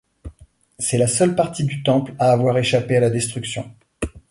C'est la seule partie du temple à avoir échappé à la destruction.